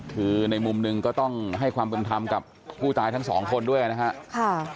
คือในมุมหนึ่งก็ต้องให้ความเป็นธรรมกับผู้ตายทั้งสองคนด้วยนะครับ